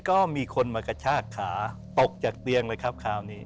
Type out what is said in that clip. ก็มีคนมากระชากขาตกจากเตียงเลยครับคราวนี้